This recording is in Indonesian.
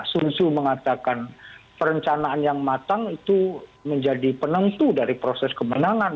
sun su mengatakan perencanaan yang matang itu menjadi penentu dari proses kemenangan